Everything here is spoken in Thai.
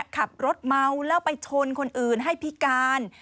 ขับรถเมาแล้วไปชนคนอื่นให้พิการ